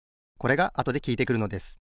これがあとできいてくるのです。